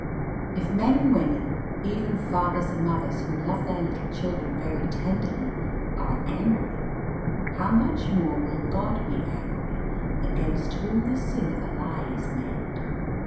If men and women, even fathers and mothers who love their little children very tenderly, are angry, how much more will God be angry against whom the sin of a lie is made.